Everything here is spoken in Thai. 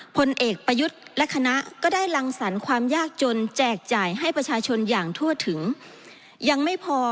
พลเอกประยุทธ์และคณะก็ได้รังสรรคความยากจนแจกจ่ายให้ประชาชนอย่างทั่วถึงยังไม่พอ